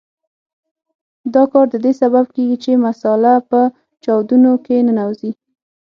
دا کار د دې سبب کیږي چې مساله په چاودونو کې ننوځي.